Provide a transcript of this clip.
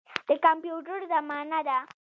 د کمپیوټر زمانه ده.